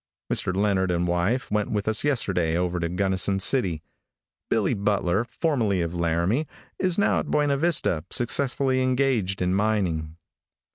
Mr. Leonard and wife went with us yesterday over to Gunnison City. Billy Butler, formerly of Laramie, is now at Buena Vista, successfully engaged in mining.